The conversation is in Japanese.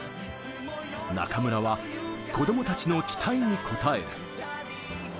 中村は子供たちの期待に応える。